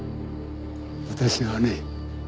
私はね